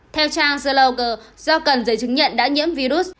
theo trang the logger do cần giấy chứng nhận đã nhiễm virus